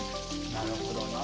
なるほどな。